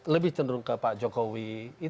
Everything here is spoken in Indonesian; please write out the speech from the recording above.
lebih cenderung ke pak jokowi